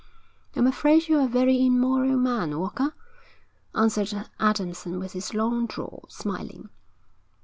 'I'm afraid you're a very immoral man, Walker,' answered Adamson with his long drawl, smiling.